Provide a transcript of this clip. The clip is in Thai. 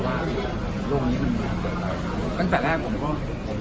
ว่าโรงนี้มันเป็นไง